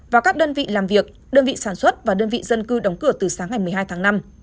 và các đơn vị làm việc đơn vị sản xuất và đơn vị dân cư đóng cửa từ sáng ngày một mươi hai tháng năm